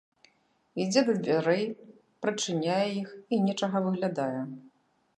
Ідзе да дзвярэй, прачыняе іх і нечага выглядае.